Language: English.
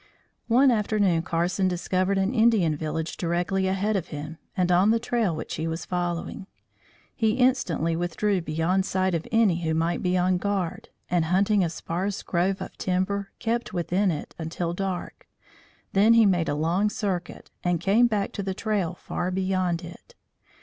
One afternoon Carson discovered an Indian village directly ahead of him and on the trail which he was following. He instantly withdrew beyond sight of any who might be on guard, and, hunting a sparse grove of timber, kept within it until dark; then he made a long circuit, and came back to the trail far beyond it.